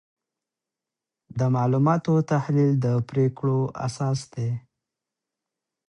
د معلوماتو تحلیل د پریکړو اساس دی.